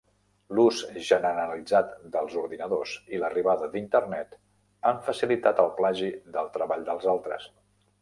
L'ús generalitzat dels ordinadors i l'arribada d'Internet han facilitat el plagi del treball dels altres.